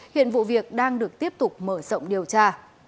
hiện vụ việc đang được tiếp tục mở rộng điều tra